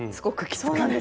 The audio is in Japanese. そうなんです。